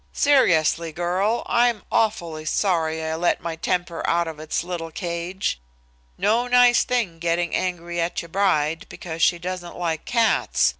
Seriously, girl, I'm awfully sorry I let my temper out of its little cage. No nice thing getting angry at your bride, because she doesn't like cats.